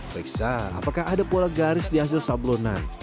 periksa apakah ada pola garis di hasil sablonan